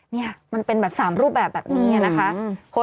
นี่มันเป็นแบบ๓รูปแบบนี้นะคะ